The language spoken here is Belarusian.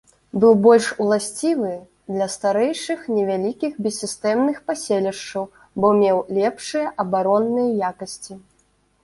Быў больш уласцівы для старэйшых, невялікіх, бессістэмных паселішчаў, бо меў лепшыя абаронныя якасці.